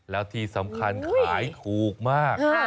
แล้วที่สำคัญขายถูกมาก